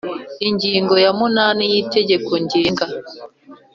Ingingo ya munani y Itegeko Ngenga